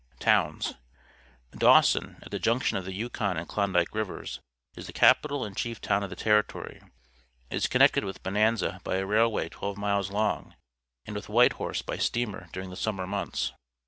Towns. — Da wson, at the junction of the Yukon ancr^Klondfke Rivers, is the capi tal and chief town of the Territory. It is con nected with Bonanza by a railway twelve miles long, and with Whitehorse by steamer during the summer months.